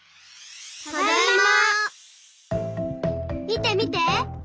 みてみて。